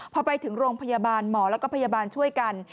พอไปถึงโรงพยาบาลหมอแล้วก็พยาบาลช่วยกัน